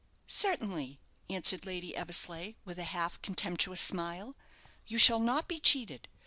"Certainly!" answered Lady Eversleigh, with a half contemptuous smile. "You shall not be cheated.